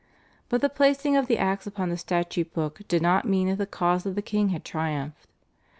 But the placing of the acts upon the statute book did not mean that the cause of the king had triumphed.